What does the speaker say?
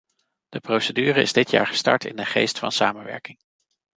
De procedure is dit jaar gestart in een geest van samenwerking.